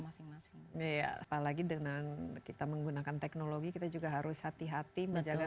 masing masing iya apalagi dengan kita menggunakan teknologi kita juga harus hati hati menjaga